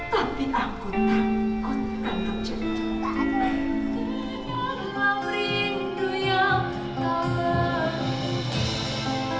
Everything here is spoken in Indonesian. tapi aku takut cerita